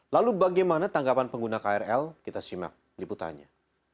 lalu bagaimana tanggapan pengguna krl kita simak di putahannya